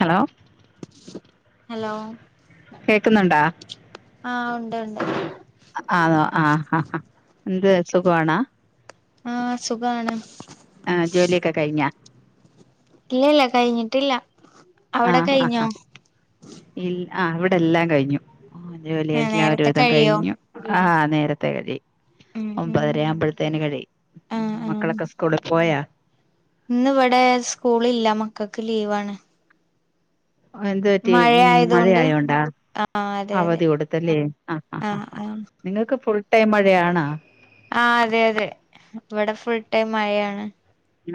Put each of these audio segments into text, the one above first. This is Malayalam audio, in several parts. ഹലോ ഹലോ കേക്കുന്നുണ്ടോ ആഹ് ഉണ്ട് ഉണ്ട് ആണോ ആഹ് ആഹ് എന്ത് സുഖവാണാ ആഹ് സുഖാണ് ആഹ് ജോലിയൊക്കെ കഴിഞ്ഞാ ഇല്ല ഇല്ല കഴിഞ്ഞിട്ടില്ല അവിടെ ആഹ് കഴിഞ്ഞോ ആഹ് ഇ ആഹ് ഇവിടെ എല്ലാം കഴിഞ്ഞു ആഹ് ഏഹ് ജോലിയെല്ലാം ഒരു നേരത്തെ വിധം കഴിയോ കഴിഞ്ഞു ആ നേരത്തേ കഴിയും ഉം ഉം ഒമ്പതര ആവ്പഴത്തേന് കഴിയും ആഹ് ആഹ് മക്കളൊക്കെ സ്കൂളിൽ പോയാ ഇന്ന് ഇവിടെ സ്കൂളില്ല മക്കൾക്ക് ലീവാണ് എന്ത് പറ്റി ഉം മഴയായതുകൊണ്ട് മഴയായോണ്ടാ ആഹ് അതെ അതെ അവധി കൊടുത്തല്ലേത്ത ആ ആഹ് ആഹ് നിങ്ങൾക്ക് ഫുൾ ടൈം മഴയാണോ ആഹ് അതെ അതെ ഇവിടെ ഫുൾ ടൈം മഴയാണ്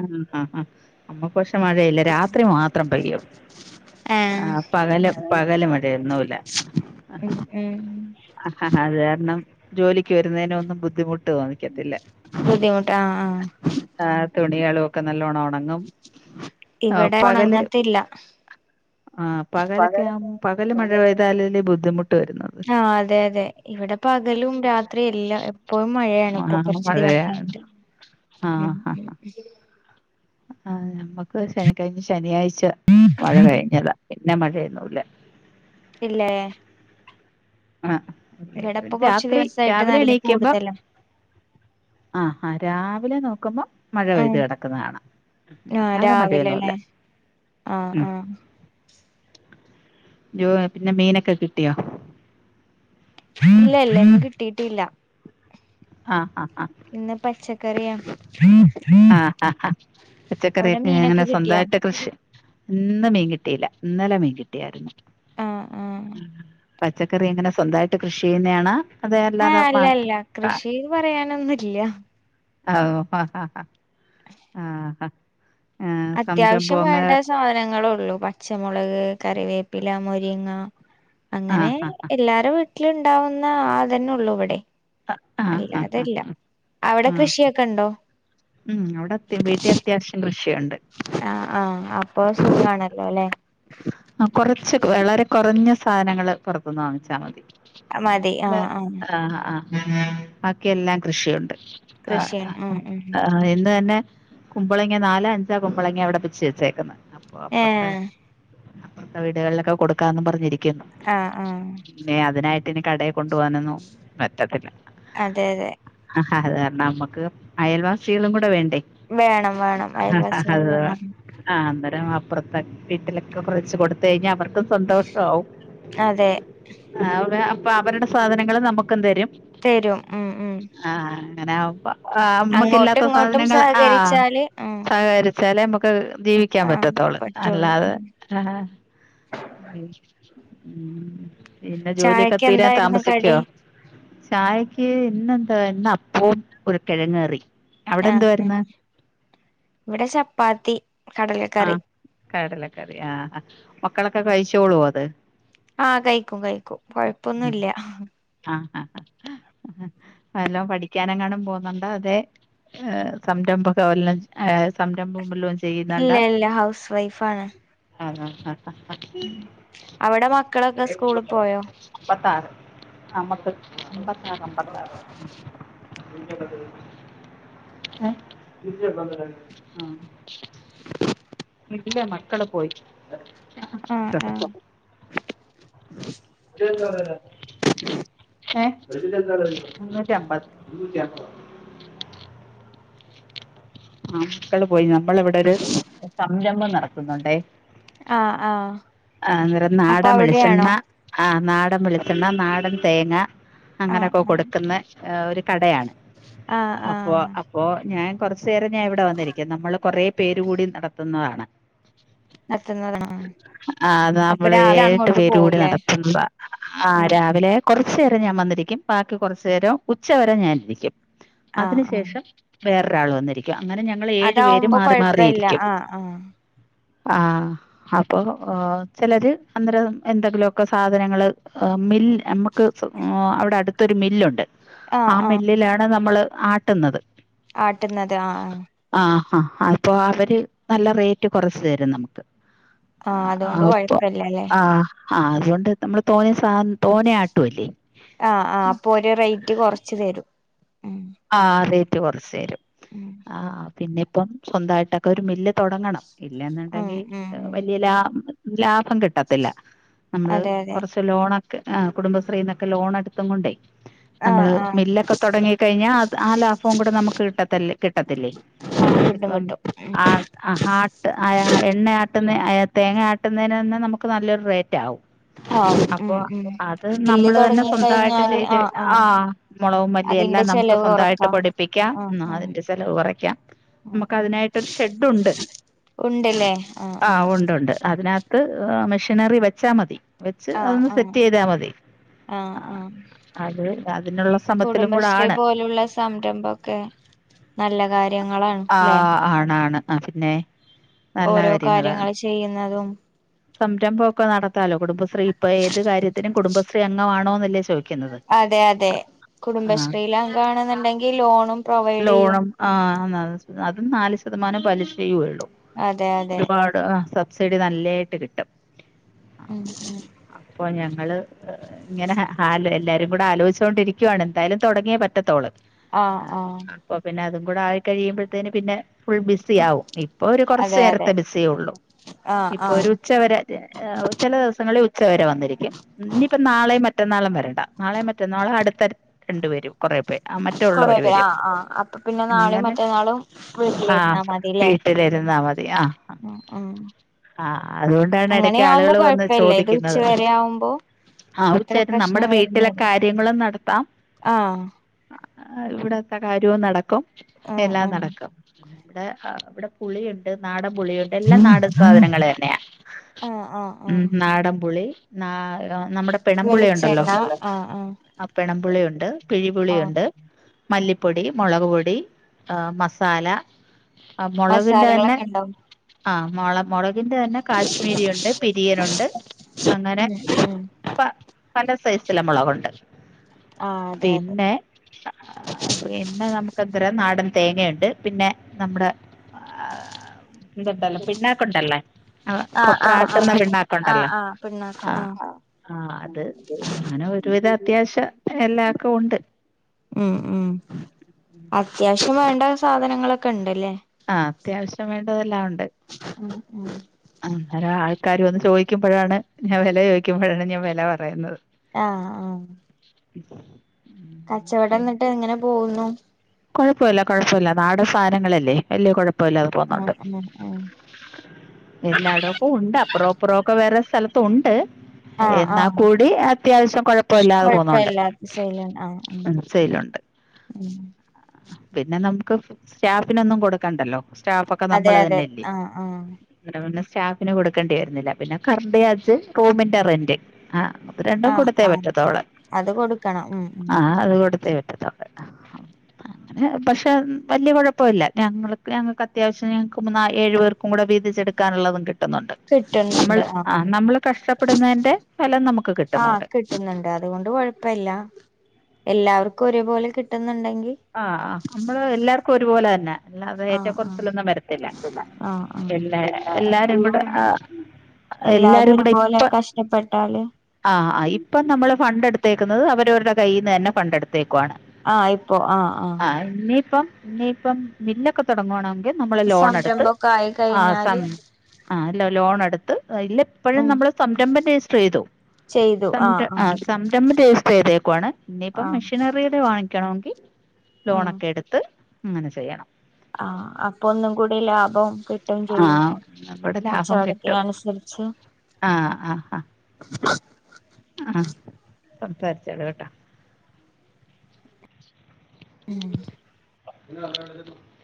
ആഹ് ആഹ് ആഹ് നമ്മുക്ക് പക്ഷെ മഴയില്ല രാത്രി മാത്രം പെയ്യും ആഹ് പകല് പകല് മഴയൊന്നൂല ഉം ഉം ആഹ് അത് കാരണം ജോലിക്ക് വരുന്നതിനൊന്നും ബുദ്ധിമുട്ട് തോന്നിക്കത്തില്ല ബുദ്ധിമുട്ട് ആഹ് ആഹ് ആഹ് തുണികളുംക്കെ നല്ലോണം ഒണങ്ങി ഇവിടെ പകല് ഉണങ്ങത്തില്ല ആ പകലൊക്കെ ആവുമ്പ പകല് മഴ പ്താലെ ബുദ്ധിമുട്ട് വരുന്നുന്നത്ണ്ട് ആഹ് അതെ അതെ ഇവിടെ പകലും രാത്രിയും എല്ലാം പ്പളും മഴയാണ് ആ ഇപ്പൊ കുറച്ച് മഴയാ ദിവസമായിട്ട് ആഹ് നമ്മുക്ക് ശനി കഴിഞ്ഞ് ശനിയാഴ്ച മഴ കഴിഞ്ഞതാ പിന്നെ മഴയൊന്നുല്ല ഇല്ലേ ആഹ് ഇവിടെപ്പൊ കൊറച്ച് രാത്രി ദിവസായിട്ട് രാവിലെ നല്ല എണീക്കുമ്പോ കൂടുതലാ ആഹ് ആഹ് രാവിലെ നോക്കുമ്പോ മഴ ഉം പെയ്ത് കിടക്കുന്നത് കാണ ആഹ് അല്ലാതെ മഴയൊന്നുല്ല രാവിലെല്ലേ ആഹ് ഉം ആഹ് ജോഹാ പിന്നെ മീനൊക്കെ കിട്ട് യോ ഇല്ല ഇല്ല ന്ന് കിട്ടിട്ടില്ല ആഹ് ആഹ് ആഹ് ഇന്ന് പച്ചക്കറിയാ ആ ആ അവിടെ പച്ചക്കറിയൊക്കെ അങ്ങനെ മീനൊക്കെ കിട്ട് യോ സ്വന്തമായിട്ട് കൃഷി ഇന്ന് മീൻകിട്ടില്ല ഇന്നലെ മീൻകിട്ടിയാരുന്നു ആഹ് ആഹ് പച്ചക്കറി എങ്ങനെ സ്വന്തായിട്ട് കൃഷി ചെയ്യുന്നെ ആണോ ആഹ് അല്ല അല്ല കൃഷിന്ന് പറയാനൊന്നുല്ല ഓഹ് ആഹ് ആഹ് ആഹ് ആഹ് അത്യാവശ്യം സംരംഭം അങ്ങനെ വേണ്ട സാധനങ്ങള്ളൊള്ളൂ പച്ച പച്ചമുളക് കറിവേപ്പില മുരിങ്ങ അങ്ങനെ ആഹ് എല്ലാരെ വീട്ടിലും വീട്ടിലും ഉണ്ടാവുന്ന ആതന്നെ ഉള്ളൂ ഇവിടേം ആഹ് ആഹ് അല്ലാതല്ല അവിടെ ആഹ് കൃഷിയൊക്കെണ്ടോ ഉം അവിടെ അതി വീട്ടി അത്യാവശ്യം കൃഷിയുണ്ട് ആഹ് ആഹ് അപ്പൊ സുഖാണല്ലോല്ലെ ആഹ് കൊറച്ച് വളരെ കൊറഞ്ഞ സാനങ്ങള് പുറത്തന്ന് വാങ്ങിച്ചാൽ മതി മതി അല്ല ആഹ് ആഹ് ആഹ് ബാക്കിയെല്ലാം കൃഷിയുണ്ട് ആഹ് കൃഷിയാണ് ഉം ഉം ആഹ് ഇന്ന് തന്നെ കുമ്പളങ്ങ നാലോ അഞ്ചോ കുമ്പളങ്ങ വിടെ പിച്ചി വെച്ചേക്കുന്ന് അപ്പൊ അപ്പറത്തെ ഏഹ് വീടുകളിലൊക്കെ കൊടുക്കാന്നും പറഞ്ഞിരിക്ക ആഹ് ആഹ് പിന്നെ അതിനായിട്ട് ഇനി കടയി കൊണ്ടു പോകാനൊന്നും പറ്റത്തില്ല അതെ അതെ ആഹ് അത് കാരണം നമ്മുക്ക് അയൽവാസികളും കൂടെ വേണ്ടേ വേണം വേണം അയൽവാസികളും വേണം ആഹ് അന്നരം അപ്പുറത്ത് വീട്ടിലൊക്കെ കുറച്ച് കൊടുത്ത് കഴിഞ്ഞാ അവർക്കും സന്തോഷാവും അതെ ആഹ് അപ്പൊ അവരുടെ സാധനങ്ങള് നമുക്കും തരും തരും ഉം ഉം ആഹ് അങ്ങനെ അപ്പ അങ്ങോട്ടും നമ്മക്കില്ലാത്ത ഇങ്ങോട്ടും സാധനങ്ങള് ആഹ് സഹകരിച്ചാല് ആഹ് സഹകരിച്ചാലേ നമുക്ക് ജീവിക്കാൻ ആഹ് പറ്റത്തോള്ളൂ പറ്റുള്ളൂ അല്ലാതെ ഉം ഉം പിന്നെ ജോലിയൊക്കെ ചായക്ക് തീരാൻ എന്തായിരുന്നു താമസിക്കോ കടി ചായക്ക് ഇന്നെന്താ ഇന്ന് അപ്പവും ഒരു കിഴങ്ങ് കറി അവിടെ ആഹ് എന്തുവായിരുന്നു ങ്ങനെ ഇവിടെ ചപ്പാത്തി കടലകറി ആഹ് കടലക്കറി ആഹ് ആഹ് മക്കളൊക്കെ കഴിച്ചോളോ അത് ആഹ് കഴിക്കും കഴിക്കും കൊഴപ്പൊന്നൂല്ല ആഹ് ആഹ് വല്ലോം പഠിക്കാന് എങ്ങാനും പോവുന്നുണ്ടോ അതേ സംരംഭൊക്കെ വല്ലോം ആഹ് സംരംഭോം വല്ലോം ച്ചെ ഇല്ല ഇ ല്ല ഹൗസ് വൈഫ് ആണ് ആഹ് ആഹ് ആഹ് അവിടെ മക്കളൊക്കെ സ്കൂൾ പോയോ അമ്പത്താറ് അമ്മക്ക് അമ്പത്താറ് അമ്പത്താറ് ഏഹ് ആഹ് ഇല്ല മക്കള് പോയി [unintelligible] ആഹ് ആഹ് എന്താ പറയുന്നേ ഏഹ് മുന്നൂറ്റി അമ്പത് ആഹ് മക്കള് പോയി നമ്മളിവിടെ ഒരു സംരംഭം നടക്കുന്നുണ്ടേ ആഹ് ആഹ് ആഹ് അന്നേരം അപ്പൊ നാടൻ വെളിച്ചെണ്ണ അവിടെയാണോ ആഹ് നാടൻ വെളിച്ചെണ്ണ നാടൻ തേങ്ങ ആഹ് അങ്ങനൊക്കെ ആഹ് കൊടുക്കുന്നെ ഏഹ് ഒരു കടയാണ് ആഹ് അപ്പോ ആഹ് അപ്പോ ഞാൻ കൊറ ച്ചേരം ഞാ ഇവിടെ വന്നിരിക്കും നമ്മള് കൊറേ പേര് കൂടി നടത്തുന്നതാണ് നത്തുന്നതാണോ ആഹ് ആഹ് അത് അപ്പൊ നമ്മള് രാവിലെ ഏഴട്ട് അങ്ങോട്ട് പേര് കൂടി പോവുല്ലേ നടത്തുന്നതാ ആഹ് ഉം രാവിലെ കുറച്ചു നേരം ഞാൻ വന്നിരിക്കും ബാക്കി കുറച്ചു നേരം ഉച്ചവരെ ഞാനിരിക്കും ആഹ് അതിനു ആഹ് ശേഷം വേറൊരാള് വന്നിരിക്കും അങ്ങനെ ഞങ്ങൾ ഏഴു പേര് അതാവുമ്പോ മാറി കൊഴപ്പല്ല മാറിയിരിക്കും ആഹ് ആഹ് ആഹ് അപ്പൊ ഏഹ് ചെലര് അന്നേരം എന്തെങ്കിലുഒക്കെ സാധനങ്ങള് അഹ് മില്ല് നമുക്ക് അവിടെ അടുത്തൊരു മില്ലുണ്ട് ആഹ് ആ ആഹ് മില്ലിലാണ് നമ്മള് ആട്ട്ന്നത് ആട്ടുന്നത് ആഹ് ആഹ് ആഹ് ആഹ് അപ്പൊ അവര് നല്ല റേറ്റ് കുറച്ച് തരും നമുക്ക് ആഹ് ആഹ്ആഹ് അതുകൊണ്ട് അപ്പൊ കൊഴപ്പല്ലല്ലേ ആഹ് ആഹ് അതുകൊണ്ട് നമ്മള് തോനെ സാധനം തോനെ ആട്ടു അല്ലേ ആഹ് ആഹ് അപ്പൊ ഓര് റേറ്റ് കുറച്ച് തരും ഉം ആഹ് റേറ്റ് കൊറച്ച് തരും ഉം ആഹ് പിന്നിപ്പം സ്വന്തായിട്ടൊക്കെ ഒരു മില്ല് തൊടങ്ങണം ഉം ഇല്ലെന്നുണ്ടെങ്കി ഉം ഉം വലിയ ലാ ലാഭം കിട്ടത്തില്ല നമ്മള് അതെ അതെ കൊറച്ച് ട്ട് ലോണൊക്കെ ആഹ് കുടുംബശ്രീന്നൊക്കെ ലോൺ എടുത്തും കൊണ്ടേ ആഹ് നമ്മള് ആഹ് മില്ലൊക്കെ തൊടങ്ങി ഞ്ഞാ അത് ആ ലാഫവും കൂടെ നമുക്ക് കിട്ടത്തല്ലേ കിട്ടത്തില്ലേ ആഹ് കിട്ടും ഇപ്പം കിട്ടും ഉം ആ ആട്ട് ആഹ് ആട്ട് ആഹ് എണ്ണയാട്ടുന്ന തേങ്ങ ആട്ടുന്നതിന് തന്നെ നമുക്ക് നല്ലൊരു റേറ്റ് ആവും ആവും അപ്പൊ ഉം ഉം അത് മില്ല് നമ്മള് തന്നെ തൊടങ്ങി സ്വന്തായിട്ട് കഴിഞ്ഞാല് ചെയ്ത് ആഹ് മുളകും മല്ലി അതിന്റെ എല്ലാം നമുക്ക് ചെലവ് സ്വന്തായിട്ട് കൊറക്കാം പൊടിപ്പിക്കാം ആഹ് ന്നാ ആഹ് അതിന്റെ ചെലവ് കുറയ്ക്കാം നമുക്ക് അതിനായിട്ടൊരു ഷെഡ് ഉണ്ട് ഉണ്ട് ല്ലേ ആഹ് ആഹ് ഉണ്ടുണ്ട് അതിനകത്ത് മിഷീനറി വെച്ചാ മതി വെച്ച് ആഹ് അതൊന്ന് ആഹ് സെറ്റ് ചെയ്താൽ മതി ആഹ് അത് അതിനുള്ള സമത്തിലും കൂടെ ആ റ്റേ പോലുള്ള സംരംഭംഒക്കെ നല്ല കാര്യങ്ങളാണ് ല്ലെ ആഹ് ആണാണ് ആഹ് പിന്നേ ഓരോ കാര്യങ്ങള് ചെയ്യുന്നതും സംരംഭം ഒക്കെ നടത്താലോ കുടുംബശ്രീ ഇപ്പോ ഏത് കാര്യത്തിനും കുടുംബശ്രീ അംഗം ആണോ എന്നല്ലേ ചോയി അതെ അതെ കുടുംബശ്രീലെ അംഗം ആണെന്നുണ്ടെങ്കി ലോണും പ്രൊവൈഡെയ്യും ആഹ് അതും നാല് ശതമാനം പലിശയേ ഒള്ളു അതെ അതെ ഒരുപാ ട് അഹ് സബ്സിഡി നല്ലയായിട്ട് കിട്ടും.. ഉം ഉം.. അപ്പൊ ഞങ്ങള്.. ഇങ്ങനെ ഹ എല്ലാരും കൂടെ ആലോയ് ച്ചോണ്ടിരിക്കുവയാണ് എന്തായാലും തുടങ്ങിയേ പറ്റത്തൊള് ആഹ് ആഹ്. അപ്പൊ പിന്നെ അതും കൂടെ ആയി കഴിയുമ്പോഴത്തേന് പിന്നെ ഫുൾ ബിസി ആവും ഇപ്പൊ ഒരു കുറച്ചു അതെ അതെ നേരത്തെ ബിസിയേ ഉള്ളൂ.. ആഹ് ഇപ്പൊ ആഹ് ഒരു ഉച്ചവരെ ചെല ദിവസങ്ങളിൽ ഉച്ചവരെ വന്നിരിക്കും.. ഇനിയിപ്പം നാളെ മറ്റന്നാളും വരണ്ട നാളെ മറ്റന്നാളും അടുത്ത രണ്ട വരും.. കുറെ പേര് ആ കൊറേ മറ്റുള്ളവര് പേര് വരും ആഹ് ആഹ് അപ്പൊ പിന്നെ നാളെയും അങ്ങനെ മറ്റന്നാളും ആ.. വീട്ടിലിരുന്നാ വീട്ടിലിരുന്നാ മതി ആഹ് അഹ്.. ആഹ് ആഹ് അതുകൊണ്ടാണ് ഇടക്ക് ആളുകൾ വന്ന് കൊഴപ്പല്ല ഇത് ചോദിക്കുന്നത്.. ഉച്ചവരെ ആവുമ്പോ ആ ഒരു അത്ര ചേട്ടൻ പ്രശ്നം നമ്മുടെ വീട്ടിലെ വരുന്നില്ല കാര്യങ്ങളും നടത്താം.. ആഹ് ഇവിടത്തെ കാര്യവും നടക്കും ആഹ് എല്ലാം ആഹ് നടക്കും.. ഇവിടെ ഇവിടെ പുളിയുണ്ട് നാടൻ പുളിയുണ്ട് എല്ലാം നാട.. സാധനങ്ങൾ തന്നെയാ ആഹ് ആഹ് ആഹ് ഉം നാടൻപുളി.. ന നമ്മുടെ പിണപുളി യുണ്ടല്ലോ.. ആഹ് ആഹ് ആ പെണപുളിയുണ്ട് പിഴിപുളിയുണ്ട്.. മല്ലിപ്പൊടി മുളക് പൊടി മസാല.. ആഹ് മുളകിന്റെ തന്നെ മസാലകളൊക്കെ ഉണ്ടാവും ആഹ് മുള മുളകിന്റെ തന്നെ കാശ്മീരി ഉണ്ട് പിരി.. ദിയനുണ്ട് അങ്ങനെ ഉം ഉം പ പല സൈസില മുളകുണ്ട്.. ആഹ് അതെ അതെ പിന്നെ.. പിന്നെ നമുക്ക് എന്തര നാടൻ തേങ്ങയു ണ്ട് പിന്നെ നമ്മുടെ.. ആ ഇതുണ്ടല്ലോ പിണ്ണാക്ക് ഉണ്ടല്ലേ.. ആ ആഹ് ആഹ് കൊപ്രാആട്ട്ന്നല് ആഹ് ആഹ് ണ്ടാക്ക്ണ്ടല്ലോ.. ആഹ് പിണ്ണാക്ക് ആഹ് ആ അത് അങ്ങനെ ഒരുവിധ അത്യാവശ്യം എല്ലാക്കെ ഉണ്ട്.. ഉം ഉം അത്യാവശ്യം വേണ്ട സാധനങ്ങളൊക്കെ ണ്ട്ല്ലേ.. ആഹ് അത്യാവശ്യം വേണ്ടതെല്ലാം ഉണ്ട്.. ഉം ഉം.. ഒരെ ആൾക്കാര് വന്ന് ചോദിക്കുമ്പോഴാണ് ഞാൻ വില ചോദിക്കുമ്പോഴാണ് ഞാൻ വില പറയുന്നത്.. ആഹ് ആ. കച്ചവടം ന്നിട്ട് എങ്ങനെ പോകുന്നു.. കെഴപ്പില്ല കൊഴപ്പില്ല നാടൻ സാധനങ്ങളല്ലേ വലിയ കുഴപ്പില്ലതെ ഉം പോന്നുണ്ട്.. ഉം ഉം എല്ലായിടം പ്പം ഉണ്ട് അപ്പറോ ഇപ്പുറോ ഒക്കെ വേറെ സ്ഥലതും ഉണ്ട്.. ആഹ് എന്നാൽ ആഹ് കൂടി അത്യാവശ്യം കൊഴപ്പ ഇല്ലാതെ പോുന്നുണ്ട് കൊഴപ്പല്ലാത്ത സെയിലാണ് ആഹ് ഉം സെയിലുണ്ട്.. ഉം.. പിന്നെ നമുക്ക് സ്റ്റാഫിനൊന്നും കൊടുക്കണ്ടല്ലോ സ്റ്റാഫ് ഒക്കെ അതെ നമ്മള് അതെ തന്നെല്ലേ.. ആഹ് ആഹ് അ പിന്നെ സ്റ്റാഫിന് കൊടുക്കേണ്ടി വരുന്നില്ല പിന്നെ കർൻഡ് ചാർജ് റൂമിന്റെ റെന്റ്.. ആഹ് അത് രണ്ടും ആഹ് കൊടുത്തേ ആഹ് പറ്റത്തോള്ളെ ഇവിടെ അത് കൊടുക്കണം ഉം ഉം ആഹ് അത് കൊടുത്തേ പറ്റത്തോ.. പക്ഷെ വലിയ കുഴപ്പമില്ല ഞങ്ങൾക്ക് ഞങ്ങൾക്ക് അത്യാവശ്യം ഞങ്ങൾക്ക് മൂന്നാ ഏഴു പേർക്ക്.. കൂടെ വിതിച്ചെടുക്കാനുള്ളത് കി.. കിട്ടുന്നുണ്ട് നമ്മൾ കിട്ടുന്നുണ്ട് ആഹ് ആ നമ്മൾ കഷ്ടപ്പെടുന്നതിന്റെ ഫലം നമുക്ക് ആഹ് കിട്ടുന്നുണ്ട്.. കിട്ടുന്നുണ്ട് അതുകൊണ്ട് കൊഴപ്പല്ല എല്ലാവർക്കും ഒരെ പോലെ കിട്ടുന്നുണ്ടെങ്കിൽ.. ആഹ് ആ നമ്മള് എല്ലാർക്കും ഒരുപോലെ തന്നെ.. അല്ലതെ ഏറ്റ ആഹ് ആഹ് കുറചെലെന്നും വരത്തില്ല എല്ലാ എല്ലാരും കൂടെ ആ.. എല്ലാരും കൂടെ ഒരുപോലെ ഇപ്പ കഷ്ടപ്പെട്ടാല്.. ആ ആ ഇപ്പം നമ്മള് ഫണ്ട് എടുത്തേക്കുന്നത് അവരവരുടെ കയ്യിൽ നിന്ന് തന്നെ ഫണ്ട് എടുത്തേക്കുവാണ്.. ആഹ് ഇപ്പൊ ആഹ് ആഹ് ആ ഇനിയിപ്പം ഇനിയിപ്പം മില്ലൊക്കെ തുടങ്ങുവാണെങ്കിൽ നമ്മള് ലോണടുത്ത് സംരംഭൊക്കെ ആയി ആസം കഴിഞ്ഞാല് ആല്ല ലോണെടുത്ത് ഇല്ല അപ്പോഴും ഉം നമ്മള് സംരംഭം രജിസ്റ്റർ ചെയ്തു. ചെയ്തു ആഹ് സംരം ആ ആഹ് സംരംഭം രജിസ്റ്റർ ചെയ്തേക്ക്വാണ്. പിന്നെ ഇപ്പം ആഹ് മെഷീനറിയിത് വാങ്ങിക്കണോങ്കിൽ ഉം ലോണൊക്കെ എടുത്ത് ഇങ്ങനെ ചെയ്യണം. ആഹ് അപ്പൊ ഒന്നുകൂടി ലാഭം കിട്ട ട്ടും ആ ചെയ്യും. ഒന്നുകൂടെ ലാഭം കച്ചവടത്തി കിട്ടും അനുസരിച്ച് ആ ആഹ് സംസാരിച്ചോള കെട്ടോ [inaudible] ഉം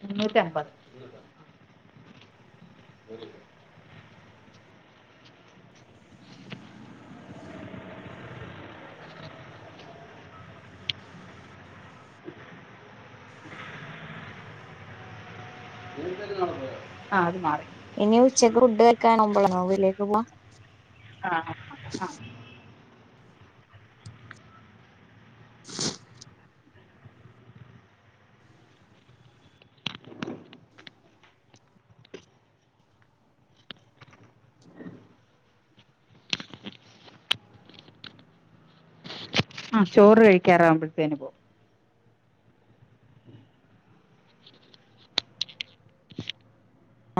മുന്നൂറ്റി അമ്പത് [inaudible] ആഹ് അത് മാറി ഇനി ഉച്ചയ്ക്ക് ഫുഡ്കൾക്കാണുമ്പളാണൊ വീട്ട്ലേക്ക് പോവ. ആഹ് [inaudible] ആ ചോറ് കഴിക്കാറാവുമ്പഴത്തേന്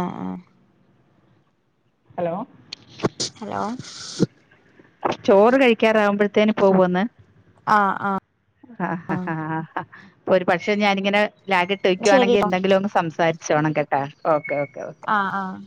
ആഹ് ആഹ് ഹലോ ഹലോ ചോറ് കഴിക്കാറാവുമ്പോഴത്തേന് ഇപ്പ പോന്ന്. ആഹ് ആഹ് ആ ആ അപ്പൊ ഒരു പക്ഷെ ഞാനിങ്ങനെ ലാഗിട്ട് വയ്ക്കുവാണെങ്കി ശരിട്ടോ എന്തെങ്കിലും ഒങ്ങ് സംസാരിക് ചോണക്കെട്ടാ ഓക്കെ ഓക്കെ ഓക്കെ ആ ആഹ്